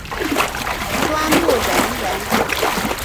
端木仁人。